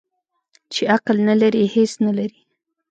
ـ چې عقل نه لري هېڅ نه لري.